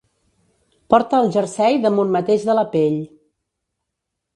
Porta el jersei damunt mateix de la pell.